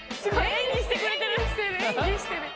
演技してる演技してる。